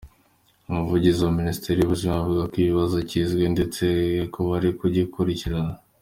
Umuvugizi wa Minisiteri y’Ubuzima avuga ko iki kibazo kizwi ndetse bari kugikurikirana.